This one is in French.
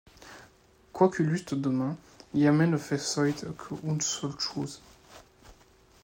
Quoique il eust deux mains, iamais ne faisoyt que une seule chouse.